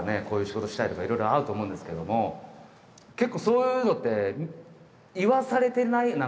こういう仕事したいとか色々あると思うんですけれども結構そういうのって言わされてない？